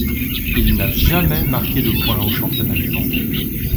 Il n'a jamais marqué de point au championnat du monde.